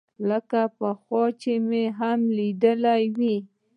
لکه پخوا چې مې هم ليدلى وي.